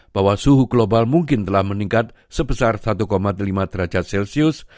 bahwa suhu global mungkin telah meningkat sebesar satu lima derajat celcius